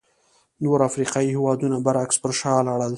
نور افریقایي هېوادونه برعکس پر شا لاړل.